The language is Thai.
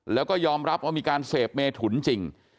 แล้วก็ยอมรับว่ามีการเสพเมถุนจริง